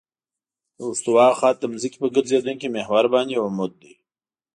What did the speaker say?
د استوا خط د ځمکې په ګرځېدونکي محور باندې عمود دی